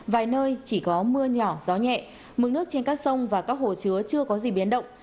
vài nơi chỉ có mưa nhỏ gió nhẹ mức nước trên các sông và các hồ chứa chưa có gì biến động